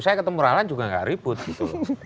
saya ketemu rahlan juga nggak ribut gitu